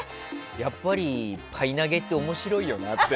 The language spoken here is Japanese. やっぱりパイ投げって面白いよなって。